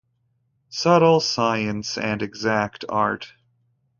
Subtle Science and Exact Art.